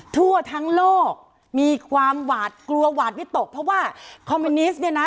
ทั่วทั้งโลกมีความหวาดกลัวหวาดวิตกเพราะว่าคอมมิวนิสต์เนี่ยนะ